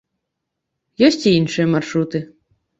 Ёсць і іншыя маршруты.